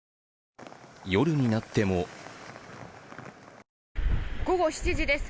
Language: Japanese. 夜になっても午後７時です。